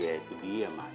ya itu dia mah